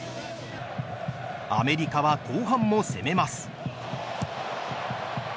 アメリカは後半も攻めます。